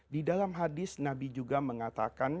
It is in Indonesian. di dalam hadis nabi juga mengatakan